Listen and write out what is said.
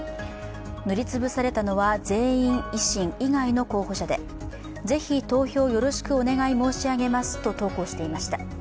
塗り潰されたのは全員、維新以外の候補者でぜひ投票よろしくお願い申し上げますと投稿していました。